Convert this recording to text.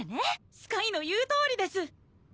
スカイの言うとおりです！